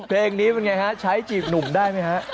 เพลงนี้เป็นไงฮะใช้จีบหนุ่มได้ไหมฮะ